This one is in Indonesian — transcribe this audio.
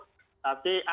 tapi ada yang menyampaikan